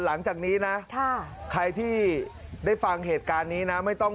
หลังจากนี้นะใครที่ได้ฟังเหตุการณ์นี้นะไม่ต้อง